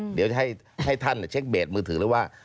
เดี๋ยวจะให้ท่านเช็คเบสมือถือเลยว่า